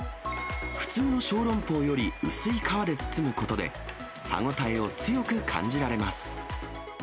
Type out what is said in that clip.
普通の小籠包より薄い皮で包むことで、歯応えを強く感じられます。